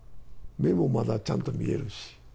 目もまだちゃんと見えるし。